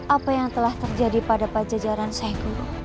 apa yang telah terjadi pada pajajaran saiku